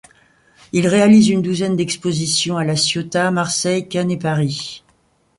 Il réalise une douzaine d’expositions à La Ciotat, Marseille, Cannes et Paris.